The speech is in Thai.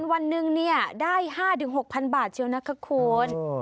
วันนึงเนี่ยได้๕๖๐๐๐บาทเจียวนะครับคุณ